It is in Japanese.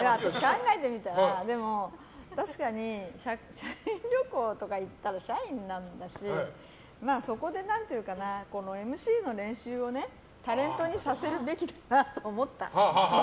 考えてみたら、確かに社員旅行とか行ったら社員なんだしそこでＭＣの練習をタレントにさせるべきだったなと思った。